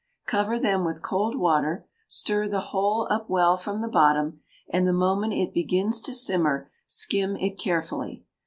cover them with cold water; stir the whole up well from the bottom, and the moment it begins to simmer, skim it carefully.